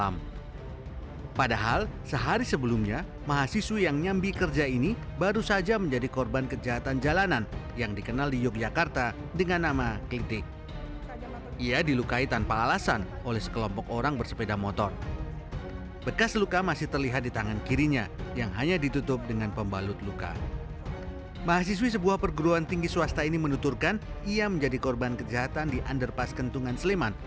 mahasiswi sebuah perguruan tinggi swasta ini menuturkan ia menjadi korban kejahatan di underpass kentungan sleman